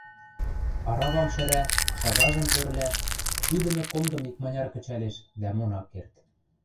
Аравам шӹра, шагажым тӧрла, ӱдӹмӹ комдым икманяр кӹчӓлеш, дӓ мон ак керд.